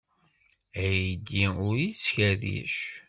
Aydi-a ur yettkerric.